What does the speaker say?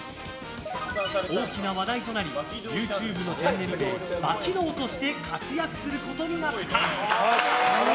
大きな話題となりＹｏｕＴｕｂｅのチャンネル名「バキ童」として活躍することになった。